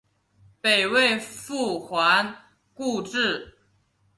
北魏复还故治。